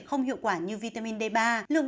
không hiệu quả như vitamin d ba lượng